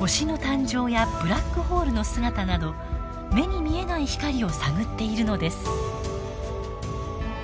星の誕生やブラックホールの姿など目に見えない光を探っているのです。